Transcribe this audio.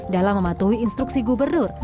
dalam mematuhi instruksi gubernur